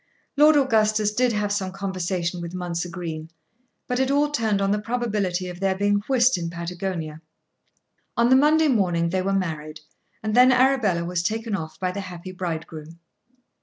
Lord Augustus did have some conversation with Mounser Green, but it all turned on the probability of there being whist in Patagonia. On the Monday morning they were married, and then Arabella was taken off by the happy bridegroom.